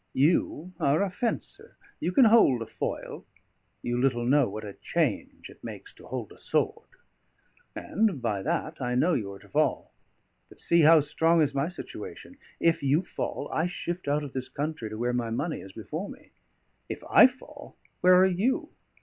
You are a fencer, you can hold a foil; you little know what a change it makes to hold a sword! And by that I know you are to fall. But see how strong is my situation! If you fall, I shift out of this country to where my money is before me. If I fall, where are you?